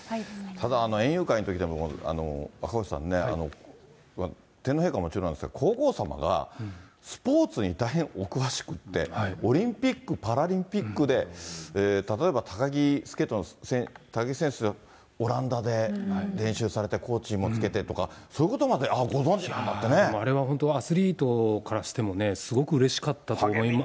ただ、園遊会のときでも、赤星さんね、天皇陛下はもちろんなんですが、皇后さまが、スポーツに大変お詳しくって、オリンピック・パラリンピックで、例えばスケートの高木選手、オランダで練習されて、コーチもつけてとか、そういうことまで、ああ、ご存じなんだってあれは本当に、アスリートからしてもね、すごくうれしかったと思います。